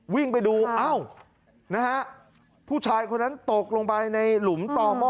วิ่งไปดูเอ้านะฮะผู้ชายคนนั้นตกลงไปในหลุมต่อหม้อ